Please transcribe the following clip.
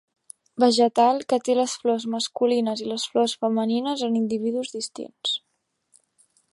Vegetal que té les flors masculines i les flors femenines en individus distints.